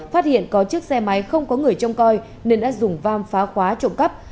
phát hiện có chiếc xe máy không có người trông coi nên đã dùng vam phá khóa trộm cắp